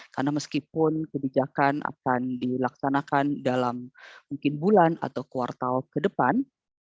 karena meskipun kebijakan akan dilaksanakan dalam mungkin bulan atau kuartal ke depan